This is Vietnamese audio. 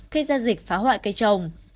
khi gian dịch phá hoại cây trồng